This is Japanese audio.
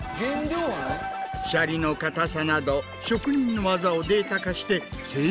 シャリのかたさなど職人の技をデータ化して精密に再現。